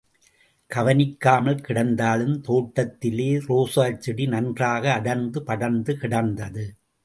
கவனிக்காமல் கிடந்தாலும் தோட்டத்திலே ரோஜாச்செடி நன்றாக அடர்ந்து படர்ந்து கிடந்தது.